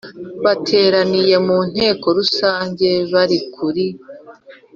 Bateraniye mu nteko rusange bari kuri